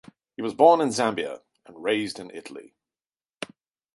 He was born Zambia and raised in Italy.